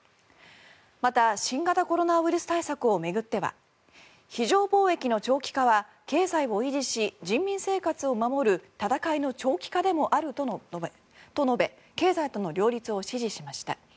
また、新型コロナウイルス対策を巡っては非常防疫の長期化は経済を維持し人民生活を守る闘いの長期化でもあると述べ経済との両立を指示しました。